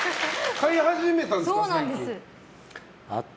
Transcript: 飼い始めたんですか？